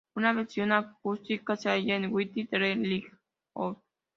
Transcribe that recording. Una versión acústica se halla en "With The Lights Out".